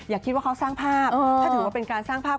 อย่าคิดว่าเขาสร้างภาพถ้าถือว่าเป็นการสร้างภาพ